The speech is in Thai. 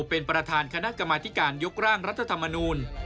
เป็นประธานคณะกรรมธิการยกร่างรัฐธรรมนูล